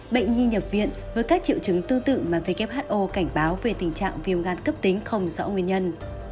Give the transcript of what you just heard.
bệnh nhi nhập viện với các triệu chứng tương tự mà who cảnh báo về tình trạng viêm gan cấp tính không rõ nguyên nhân